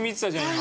今。